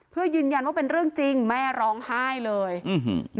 เพื่อยืนยันว่าเป็นเรื่องจริงแม่ร้องไห้เลยอื้อหือ